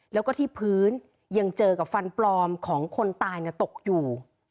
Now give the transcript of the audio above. แล้วก็ที่พื้นยังเจอกับฟันปลอมของคนตายตกอยู่